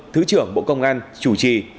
thứ trưởng bộ công an chủ trì